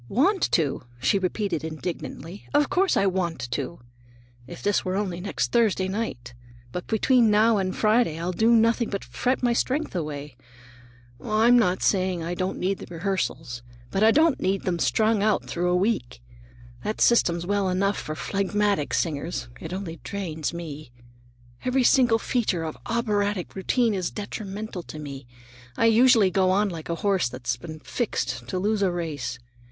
"Want to?" she repeated indignantly; "of course I want to! If this were only next Thursday night—But between now and Friday I'll do nothing but fret away my strength. Oh, I'm not saying I don't need the rehearsals! But I don't need them strung out through a week. That system's well enough for phlegmatic singers; it only drains me. Every single feature of operatic routine is detrimental to me. I usually go on like a horse that's been fixed to lose a race.